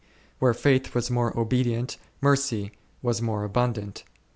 Where faith was more obe dient, mercy was more abundant.